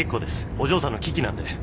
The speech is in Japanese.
お嬢さんの危機なんで。